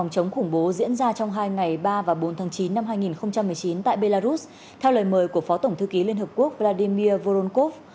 chống khủng bố diễn ra trong hai ngày ba và bốn tháng chín năm hai nghìn một mươi chín tại belarus theo lời mời của phó tổng thư ký liên hợp quốc vladimir voronkov